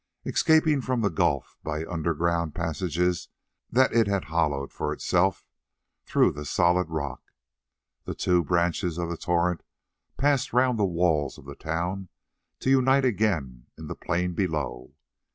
Escaping from the gulf by underground passages that it had hollowed for itself through the solid rock, the two branches of the torrent passed round the walls of the town, to unite again in the plain below.